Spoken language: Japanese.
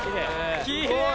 きれい。